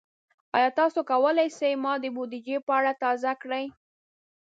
ایا تاسو کولی شئ ما د بودیجې په اړه تازه کړئ؟